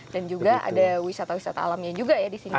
dan juga ada wisata wisata alamnya juga ya di sini ya